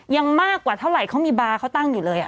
ยังมากกว่าเท่าไหร่เขามีบาร์เขาตั้งอยู่เลย